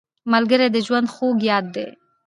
ملګری د ژوند خوږ یاد دی